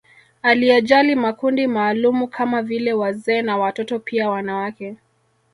Aliyajali makundi maalumu kama vile wazee na watoto pia wanawake